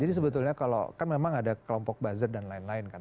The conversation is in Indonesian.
jadi sebetulnya kalau kan memang ada kelompok buzzer dan lain lain kan